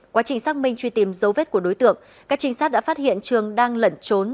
quá trình xác minh truy tìm dấu vết của đối tượng các trinh sát đã phát hiện trường đang lẩn trốn